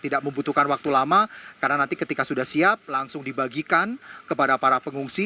tidak membutuhkan waktu lama karena nanti ketika sudah siap langsung dibagikan kepada para pengungsi